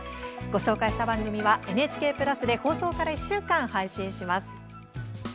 ご紹介した番組はＮＨＫプラスでは放送から１週間、配信します。